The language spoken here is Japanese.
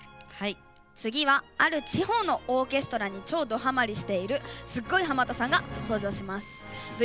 次はある地方のオーケストラに超ドハマりしてるすっごいハマったさんが登場します。